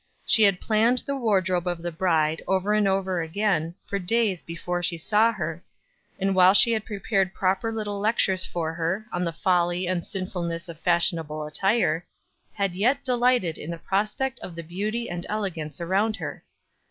She had planned the wardrobe of the bride, over and over again, for days before she saw her; and while she had prepared proper little lectures for her, on the folly and sinfulness of fashionable attire, had yet delighted in the prospect of the beauty and elegance around her.